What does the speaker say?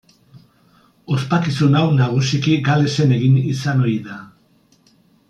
Ospakizun hau nagusiki Galesen egin izan ohi da.